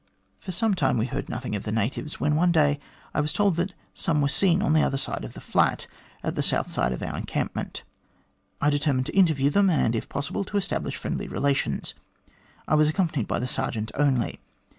" For some time we had heard nothing of the natives, when one day I was told that some were seen on the other side of the flat, at the south side of our encampment. I determined to interview them, and, if possible, to establish friendly relations. I was accompanied by the sergeant only.